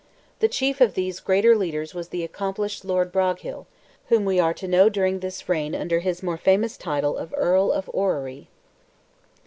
The chief of these greater leaders was the accomplished Lord Broghill, whom we are to know during this reign under his more famous title of Earl of Orrery.